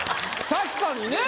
確かにね。